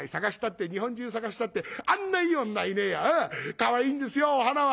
かわいいんですよお花は」。